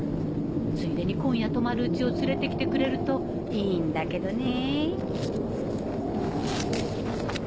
ついでに今夜泊まる家を連れて来てくれるといいんだけどねぇ。